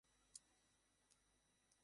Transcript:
দেখ কে ফাঁসতে চাইছে।